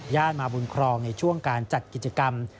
มาบุญครองในช่วงการจัดกิจกรรม